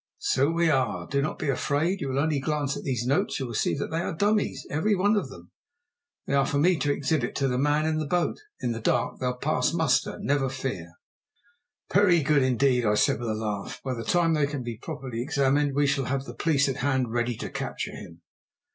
"So we are, do not be afraid. If you will only glance at these notes you will see that they are dummies, every one of them. They are for me to exhibit to the man in the boat; in the dark they'll pass muster, never fear." "Very good indeed," I said with a laugh. "By the time they can be properly examined we shall have the police at hand ready to capture him."